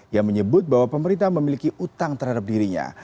yang menyebut bahwa pemerintah memiliki utang terhadap dirinya